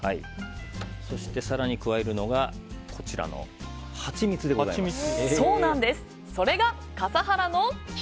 そして更に加えるのがこちらのハチミツでございます。